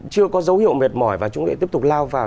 chưa có dấu hiệu mệt mỏi và chúng lại tiếp tục lao vào